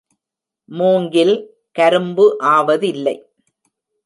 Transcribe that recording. மூங்கில் கரும்பு ஆவதில்லை.